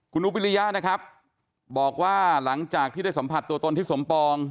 คุณอุปิริยะนะครับบอกว่าหลังจากที่ได้สัมผัสตัวตนที่สมปอง